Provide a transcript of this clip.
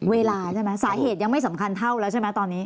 เวลาใช่ไหมสาเหตุยังไม่สำคัญเท่าแล้วใช่ไหมตอนนี้